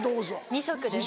２食です。